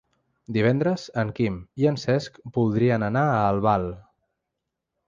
Divendres en Quim i en Cesc voldrien anar a Albal.